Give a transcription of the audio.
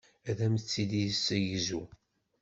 Ad am-tt-id-yessegzu.